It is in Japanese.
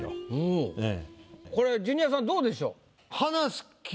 これジュニアさんどうでしょう？